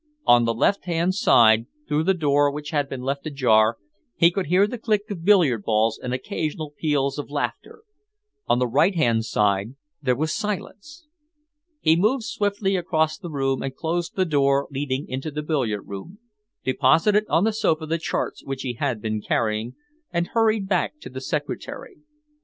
On the left hand side, through the door which had been left ajar, he could hear the click of billiard balls and occasional peals of laughter. On the right hand side there was silence. He moved swiftly across the room and closed the door leading into the billiard room, deposited on the sofa the charts which he had been carrying, and hurried back to the secretary.